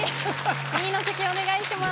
２位の席へお願いします。